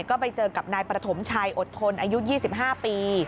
ก็ไปเจอกับนายประถมชัยอดทนอายุ๒๕ปี